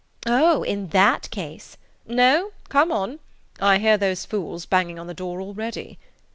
"Oh, in that case !" "No; come on. I hear those fools banging on the door already."